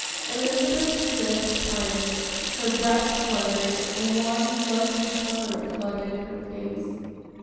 Elizabeth's lips parted, her breath fluttered, a warm, lovely color flooded her face.